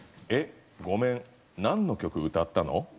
「ごめん、なんの曲歌ったの？